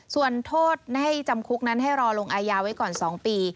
ส่วนโทษให้จำคุกนั้นให้รอลงอายาไว้ก่อน๒ปี